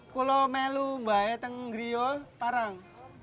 kuala melu mbaknya tempat gereol parang